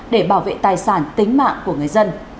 để bảo vệ tài sản tính mạng của người dân